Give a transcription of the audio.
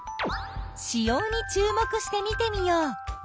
子葉に注目して見てみよう。